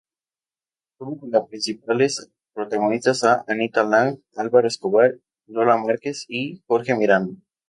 Tuvo como principales protagonistas a Anita Lang, Álvaro Escobar, Lola Márquez y Jorge Miranda.